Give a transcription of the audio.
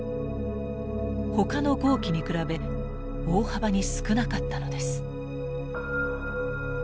ほかの号機に比べ大幅に少なかったのです。